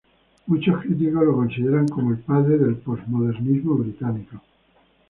Muchos críticos lo consideran como el padre del postmodernismo británico.